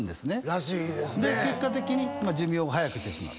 結果的に寿命を早くしてしまう。